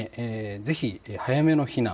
ぜひ早めの避難